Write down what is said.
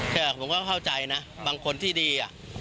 แต่ผมก็เข้าใจนะบางคนที่ดี